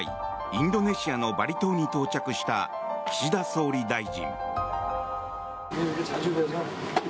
インドネシア・バリ島に到着した岸田総理大臣。